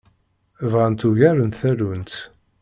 Bɣant ugar n tallunt.